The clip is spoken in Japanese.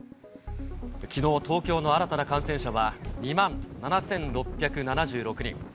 きのう、東京の新たな感染者は２万７６７６人。